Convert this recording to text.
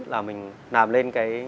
là mình làm lên cái